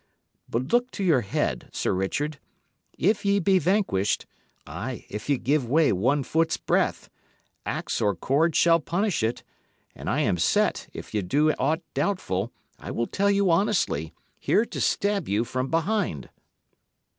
But look to your head, Sir Richard! If ye be vanquished ay, if ye give way one foot's breadth axe or cord shall punish it; and I am set if ye do aught doubtful, I will tell you honestly, here to stab you from behind."